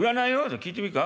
聞いてみっか？